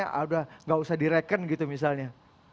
tidak usah direken gitu misalnya